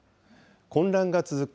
混乱が続く